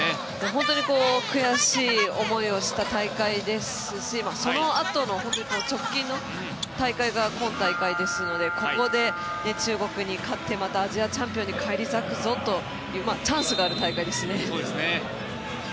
本当に、悔しい思いをした大会ですしそのあとの直近の大会が今大会ですので、ここで中国に勝ってまたアジアチャンピオンに返り咲くぞというチャンスがある大会ですね。